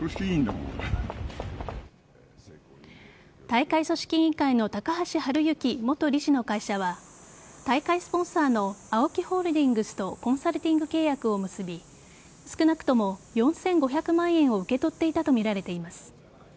大会組織委員会の高橋治之元理事の会社は大会スポンサーのＡＯＫＩホールディングスとコンサルティング契約を結び少なくとも４５００万円を受け取っていたとみられています。